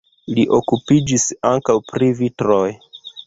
Li okupiĝis ankaŭ pri vitroj.